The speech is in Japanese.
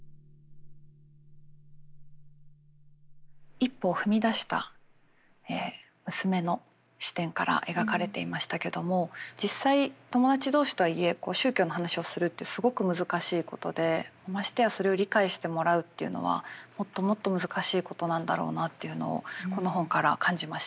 一歩踏み出した娘の視点から描かれていましたけども実際友達同士とはいえ宗教の話をするってすごく難しいことでましてやそれを理解してもらうっていうのはもっともっと難しいことなんだろうなっていうのをこの本から感じましたね。